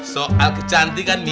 soal kecantikan mi